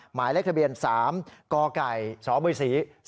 หมายเลขทะเบียน๓กกสบศ๒๘๓๒